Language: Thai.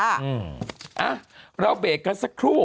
อ่ะเราเบรกกันสักครู่